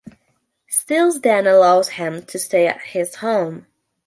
Stills then allows him to stay at his home.